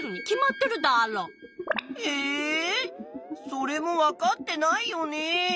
それもわかってないよね。